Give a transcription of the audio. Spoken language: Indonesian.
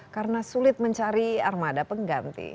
karena sulit mencari armada pengganti